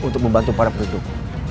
untuk membantu para penduduk